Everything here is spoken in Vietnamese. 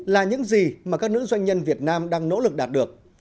là những gì mà các nữ doanh nhân việt nam đang nỗ lực đạt được